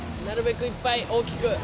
なるべくいっぱい大きく。